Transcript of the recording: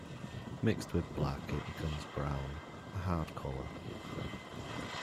Mixed with black it becomes brown, a hard colour.